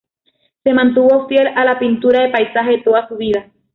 Se mantuvo fiel a la pintura de paisaje de toda su vida.